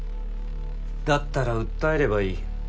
だったら訴えればいい。